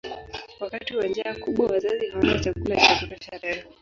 Wakati wa njaa kubwa wazazi hawana chakula cha kutosha tena.